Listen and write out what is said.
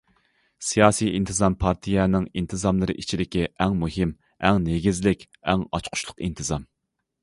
سىياسىي ئىنتىزام پارتىيەنىڭ ئىنتىزاملىرى ئىچىدىكى ئەڭ مۇھىم، ئەڭ نېگىزلىك، ئەڭ ئاچقۇچلۇق ئىنتىزام.